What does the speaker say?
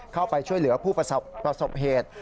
เข้าไปช่วยเหลือผู้ประสบเหตุ